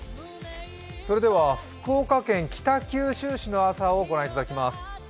福岡県北九州市の朝をご覧いただきます。